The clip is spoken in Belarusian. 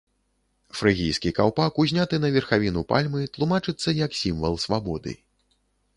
Фрыгійскі каўпак, узняты на верхавіну пальмы, тлумачыцца як сімвал свабоды.